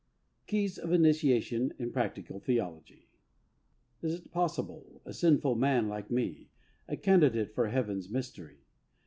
KEYS OF INITIATION IN PRACTICAL THEOLOGY. Is't possible! A sinful man like me, A candidate for heaven's mystery!